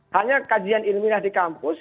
hanya kajian ilmiah di kampus